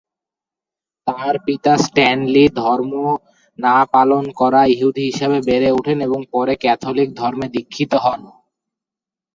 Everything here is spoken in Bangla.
তার পিতা স্ট্যানলি ধর্ম না পালন করা ইহুদি হিসেবে বেড়ে ওঠেন এবং পরে ক্যাথলিক ধর্মে দীক্ষিত হন।